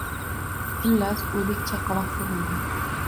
Xullas, o`lik chaqaloq tug`ildi